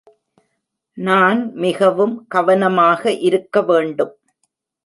நான் மிகவும் கவனமாக இருக்க வேண்டும்.